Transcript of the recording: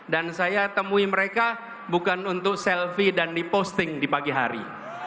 dan saya temui mereka bukan untuk selfie dan di posting di pagi hari